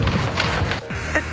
えっ？